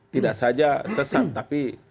tidak saja sesat tapi